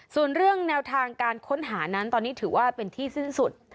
ส่วนเรื่องแนวทางการค้นหานั้นตอนนี้ถือว่าเป็นที่สิ้นสุด